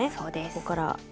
ここから。